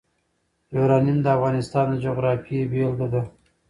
یورانیم د افغانستان د جغرافیې بېلګه ده.